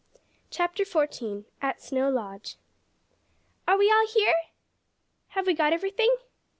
CHAPTER XIV AT SNOW LODGE "Are we all here?" "Have we got everything?"